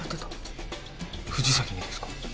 藤崎にですか？